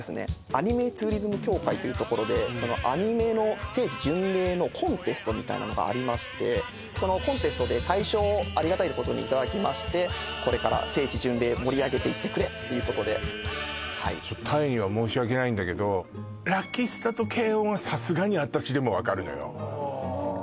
「アニメツーリズム協会」というところでアニメの聖地巡礼のコンテストみたいなのがありましてそのコンテストで大賞をありがたいことにいただきましてこれから聖地巡礼盛り上げていってくれっていうことではい鯛には申し訳ないんだけど「らき☆すた」と「けいおん！」はさすがに私でもわかるのよ